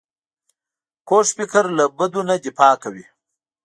کوږ فکر له بدو نه دفاع کوي